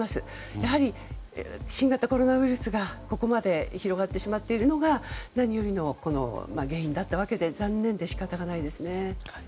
やはり、新型コロナウイルスがここまで広がってしまっているのが何よりの原因だったわけで残念で仕方がないですね。